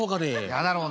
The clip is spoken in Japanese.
嫌だろうな。